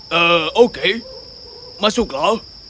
ha okey masuklah